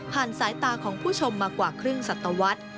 สายตาของผู้ชมมากว่าครึ่งสัตวรรษ